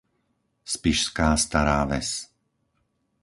Spišská Stará Ves